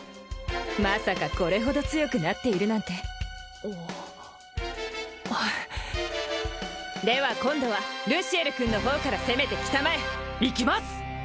まさかこれほど強くなっているなんてでは今度はルシエル君の方から攻めてきたまえいきます！